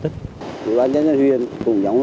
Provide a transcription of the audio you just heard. thủy bán nhân huyện cũng giống